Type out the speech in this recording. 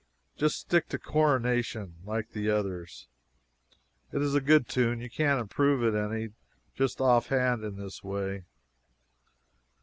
Just stick to 'Coronation,' like the others. It is a good tune you can't improve it any, just off hand, in this way."